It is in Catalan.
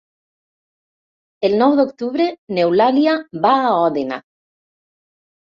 El nou d'octubre n'Eulàlia va a Òdena.